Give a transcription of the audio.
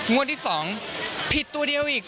งวดที่๒ผิดตัวเดียวอีก